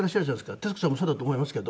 徹子さんもそうだと思いますけど。